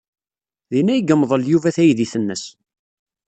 Din ay yemḍel Yuba taydit-nnes.